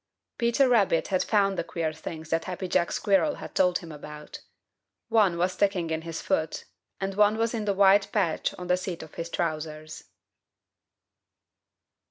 Peter Rabbit had found the queer things that Happy Jack Squirrel had told him about. One was sticking in his foot, and one was in the white patch on the seat of his trousers.